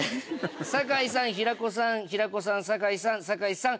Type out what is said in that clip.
「酒井さん」「平子さん」「平子さん」「酒井さん」「酒井さん」